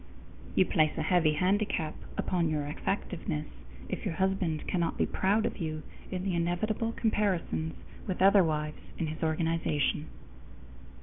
_ You place a heavy handicap upon your effectiveness if your husband cannot be proud of you in the inevitable comparisons with other wives in his organization.